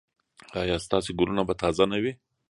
ایا ستاسو ګلونه به تازه نه وي؟